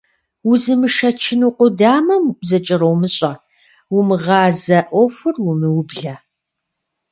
Узымышэчыну къудамэм зыкӀэромыщӀэ, умыгъазэ Ӏуэхур умыублэ.